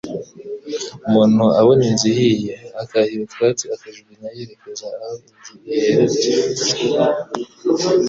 Umuntu abona inzu ihiye, akahira utwatsi akajugunya yerekeza aho inzi ihererye